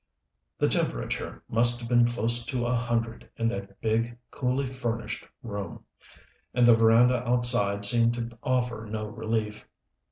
The temperature must have been close to a hundred in that big, coolly furnished room, and the veranda outside seemed to offer no relief.